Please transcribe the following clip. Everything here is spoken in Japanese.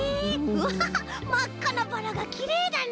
うわまっかなバラがきれいだね！